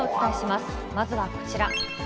まずはこちら。